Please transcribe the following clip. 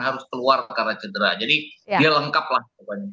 harus keluar karena cedera jadi dia lengkap lah pokoknya